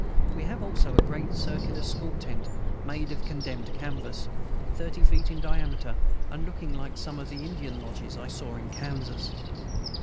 We have also a great circular school tent, made of condemned canvas, thirty feet in diameter, and looking like some of the Indian lodges I saw in Kansas.